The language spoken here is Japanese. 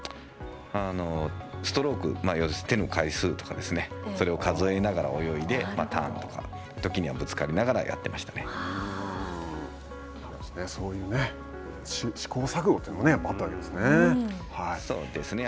ストローク手の回数とかそれを数えながら泳いでターンとか時にはぶつかりながらそういう試行錯誤があったわけそうですね